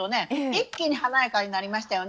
一気に華やかになりましたよね。